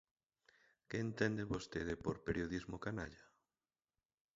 Que entende vostede por Periodismo canalla?